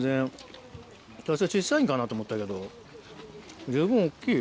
小っさいんかなと思ったけど十分大っきいよ。